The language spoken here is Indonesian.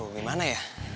aduh gimana ya